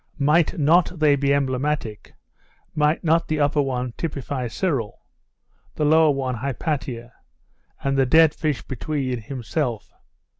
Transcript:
Might not they be emblematic? Might not the upper one typify Cyril? the lower one Hypatia? and the dead fish between, himself?....